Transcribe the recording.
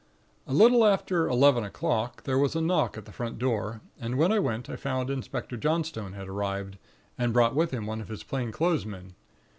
"A little after eleven o'clock, there was a knock at the front door, and when I went, I found Inspector Johnstone had arrived, and brought with him one of his plainclothes men.